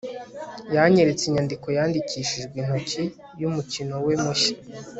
yanyeretse inyandiko yandikishijwe intoki yumukino we mushya